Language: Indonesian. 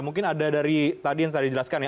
mungkin ada dari tadi yang sudah dijelaskan ya